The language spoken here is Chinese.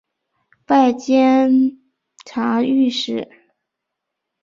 拜监察御史。